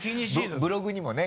ブログにもね？